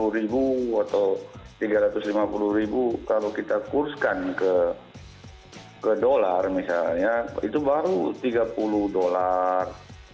sepuluh ribu atau tiga ratus lima puluh ribu kalau kita kurskan ke dolar misalnya itu baru tiga puluh dolar